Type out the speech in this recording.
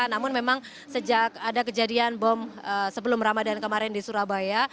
namun memang sejak ada kejadian bom sebelum ramadan kemarin di surabaya